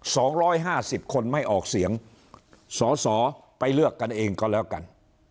สองร้อยห้าสิบคนไม่ออกเสียงสอสอไปเลือกกันเองก็แล้วกัน